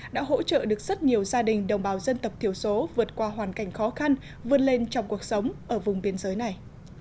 đã hỗ trợ được rất nhiều gia đình đồng bào dân tộc thiểu số vượt qua hoàn cảnh khó khăn vươn lên trong cuộc sống ở vùng biên giới này